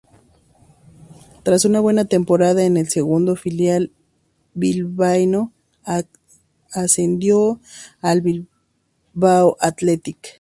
Tras una buena temporada en el segundo filial bilbaíno, ascendió al Bilbao Athletic.